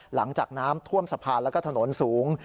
หลังจากน้ำท่วมสะพานแล้วก็ถนนสูง